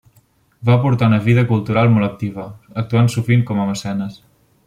Va portar una vida cultural molt activa, actuant sovint com a mecenes.